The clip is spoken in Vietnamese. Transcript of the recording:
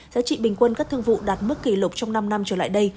giá trị bình quân các thương vụ đạt mức kỷ lục trong năm năm trở lại đây